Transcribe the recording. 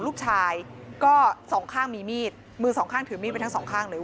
ลูกชายก็สองข้างมีมีดมือสองข้างถือมีดไปทั้งสองข้างเลย